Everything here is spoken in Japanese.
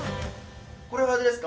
これはあれですか？